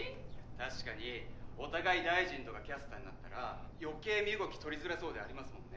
確かにお互い大臣とかキャスターになったら余計身動き取りづらそうでありますもんね。